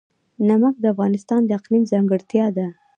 نمک د افغانستان د اقلیم ځانګړتیا ده.